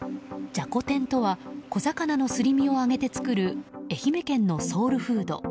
じゃこ天とは小魚のすり身を揚げて作る愛媛県のソウルフード。